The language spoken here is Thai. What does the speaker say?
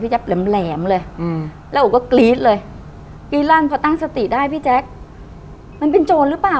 แป๊บแหลมเลยอืมแล้วโอ๋ก็กรี๊ดเลยกรี๊ดลั่นพอตั้งสติได้พี่แจ๊คมันเป็นโจรหรือเปล่า